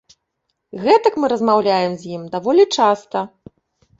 Гэтак мы размаўляем з ім даволі часта.